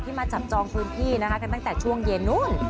มาจับจองพื้นที่นะคะกันตั้งแต่ช่วงเย็นนู้น